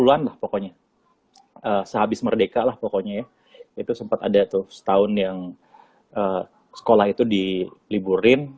lima puluh an lah pokoknya sehabis merdeka lah pokoknya itu sempet ada tuh setahun yang sekolah itu diliburin